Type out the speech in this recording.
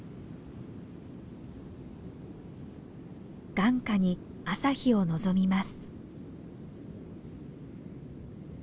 眼下に朝日を望みます。